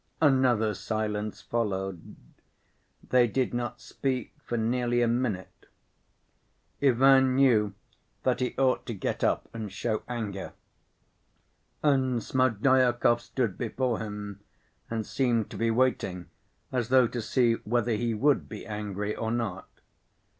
Another silence followed. They did not speak for nearly a minute. Ivan knew that he ought to get up and show anger, and Smerdyakov stood before him and seemed to be waiting as though to see whether he would be angry or not.